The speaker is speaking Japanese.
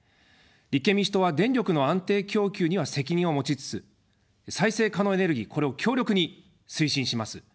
立憲民主党は電力の安定供給には責任を持ちつつ再生可能エネルギー、これを強力に推進します。